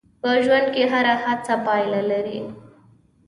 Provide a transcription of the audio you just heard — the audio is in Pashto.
په ژوند کې هره هڅه پایله لري.